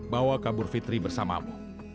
bawa kabur fitri bersamamu